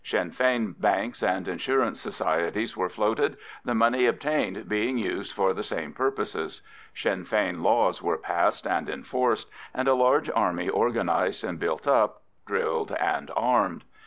Sinn Fein banks and insurance societies were floated, the money obtained being used for the same purposes. Sinn Fein laws were passed and enforced, and a large army organised and built up, drilled and armed.